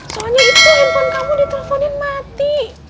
soalnya itu handphone kamu diteleponin mati